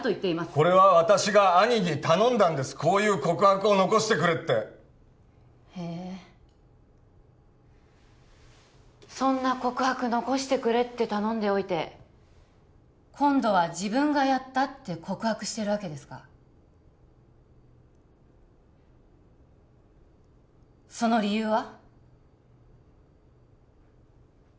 これは私が兄に頼んだんですこういう告白を残してくれってへえそんな告白残してくれって頼んでおいて今度は自分がやったって告白してるわけですかその理由は？